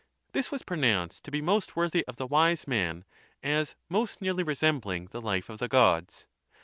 This was pro nounced to be most worthy of the Wise nearly resembling the life of the gods.